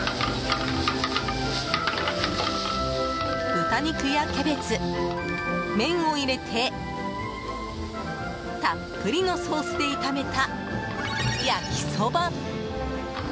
豚肉やキャベツ、麺を入れてたっぷりのソースで炒めた焼きそば。